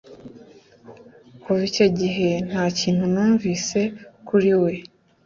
Kuva icyo gihe nta kintu numvise kuri we